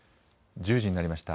１０時になりました。